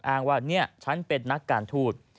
อ้างว่านี่ฉันเป็นนักการทูต